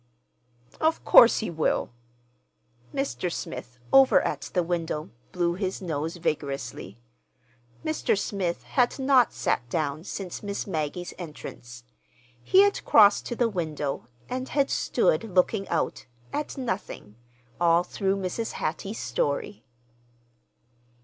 "Of course he will!" Mr. Smith, over at the window, blew his nose vigorously. Mr. Smith had not sat down since Miss Maggie's entrance. He had crossed to the window, and had stood looking out—at nothing—all through Mrs. Hattie's story.